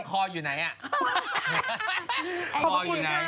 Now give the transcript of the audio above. ขอบคุณค่ะ